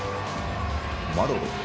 マロロ。